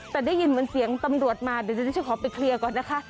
แต่ได้ยินเหมือนเสียงตำรวจมาเดี๋ยวดิฉันจะขอไปเคลียร์ก่อนนะคะ